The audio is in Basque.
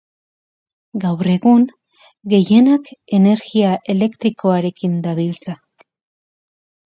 Gaur egun, gehienak energia elektrikoarekin dabiltza.